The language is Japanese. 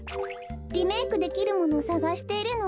リメークできるものをさがしているの。